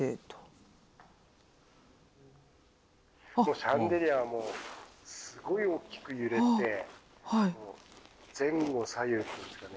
「シャンデリアはもうすごい大きく揺れて前後左右っていうんですかね」。